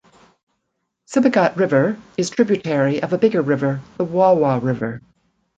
Sibagat River is tributary of a bigger river, the Wawa river.